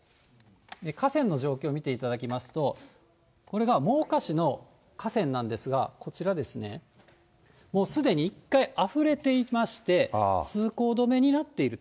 河川の状況見ていただきますと、これが真岡市の河川なんですが、こちらですね、もうすでに１回あふれていまして、通行止めになっている。